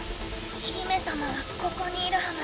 姫様はここにいるはむ。